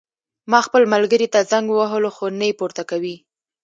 ما خپل ملګري ته زنګ ووهلو خو نه یې پورته کوی